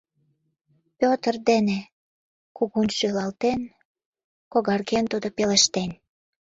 Пӧтыр дене!.. — кугун шӱлалтен, когарген, тудо пелештен...